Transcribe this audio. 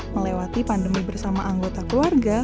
melewati pandemi bersama anggota keluarga